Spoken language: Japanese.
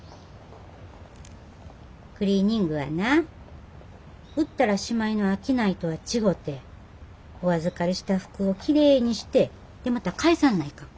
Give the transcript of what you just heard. クリーニングはな売ったらしまいの商いとは違うてお預かりした服をきれいにしてでまた返さんないかん。